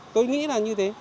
tôi nghĩ là như thế